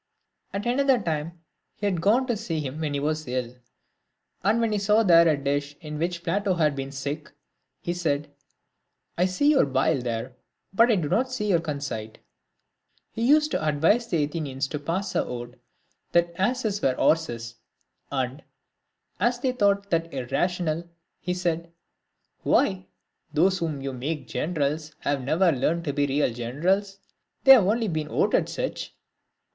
At another time, he had gone to see him when he was ill, and when he saw there a dish in which Plato had been sick, he said, " I see your bile there, but I do not see your conceit." He used to advise the Athenians to pass a vote that asses were horses ; and, as they thought that irrational, he said, " Why, those whom you make generals have never learnt to be really generals, they have only been voted such."